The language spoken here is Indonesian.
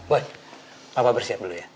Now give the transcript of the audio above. boy papa bersiap dulu ya